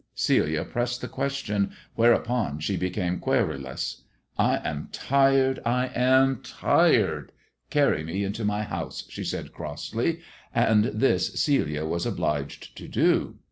Celia pressed the question, whereupon she became querulous. " I am tired ; I am tired. Carry me into my house," she said crossly, and this Celia was obliged to do.